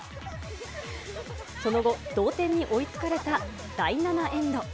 その後、同点に追いつかれた第７エンド。